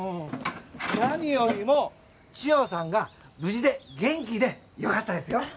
何よりもチヨさんが無事で元気でよかったですよ。